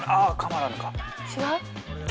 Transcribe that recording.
違う？